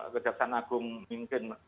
kejaksaan agung mungkin